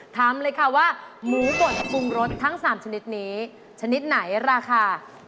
ถามเลยค่ะว่าหมูบดปรุงรสทั้ง๓ชนิดนี้ชนิดไหนราคา